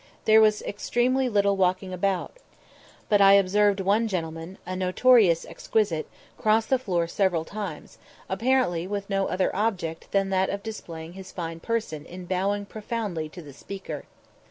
There was extremely little walking about; but I observed one gentleman, a notorious exquisite, cross the floor several times, apparently with no other object than that of displaying his fine person in bowing profoundly to the Speaker.